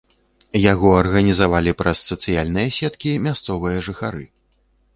Яго арганізавалі праз сацыяльныя сеткі мясцовыя жыхары.